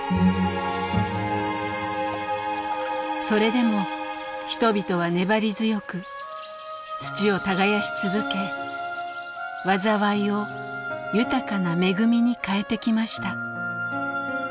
それでも人々は粘り強く土を耕し続け災いを豊かな恵みに変えてきました。